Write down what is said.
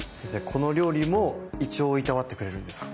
この料理も胃腸をいたわってくれるんですか？